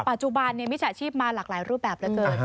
ปัจจุบันมิจฉาชีพมาหลากหลายรูปแบบแล้วเกิด